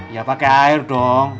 ya pakai air dong